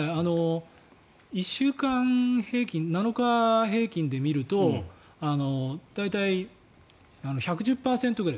１週間平均、７日平均で見ると大体１１０％ぐらい。